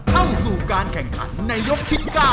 เข้าสู่การแข่งขันในยกที่๙